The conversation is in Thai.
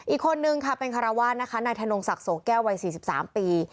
อีกคนนึงค่ะเป็นคารวาสนะคะนายธนงศักดิ์โสแก้ววัย๔๓ปี